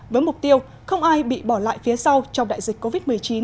với mục tiêu không ai bị bỏ lại phía sau trong đại dịch covid một mươi chín